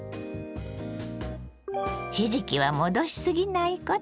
ひじきは戻しすぎないこと。